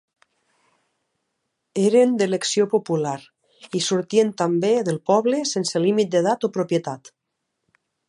Eren d'elecció popular i sortien també del poble sense límit d'edat o propietat.